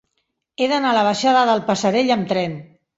He d'anar a la baixada del Passerell amb tren.